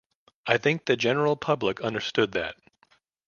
I think the general public understood that.